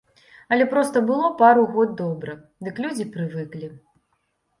Але проста было пару год добра, дык людзі прывыклі.